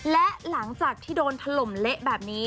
และหลังจากที่โดนถล่มเละแบบนี้